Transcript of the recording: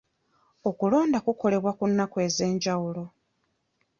Okulonda kukolebwa ku nnaku ez'enjawulo.